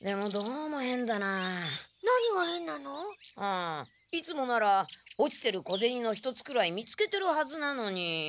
うんいつもなら落ちてる小ゼニの一つくらい見つけてるはずなのに。